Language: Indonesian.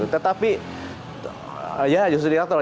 tetapi ya justru diktator